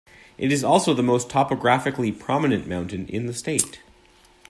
It is also the most topographically prominent mountain in the state.